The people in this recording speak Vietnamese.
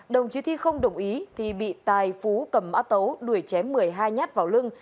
đồng chí thi không đồng ý thì bị tài phú cầm mã tấu đuổi chém một mươi hai nhát vào lưng